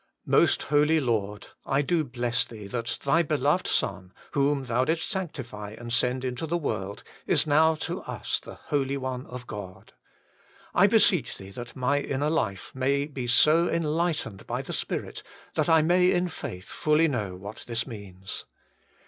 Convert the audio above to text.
Most Holy Lord God ! I do bless Thee that Thy beloved Son, whom Thou didst sanctify and send into the world, is now to us the Holy One of God. I beseech Thee that my inner life may so be en lightened by the Spirit that I may in faith fully know what this means.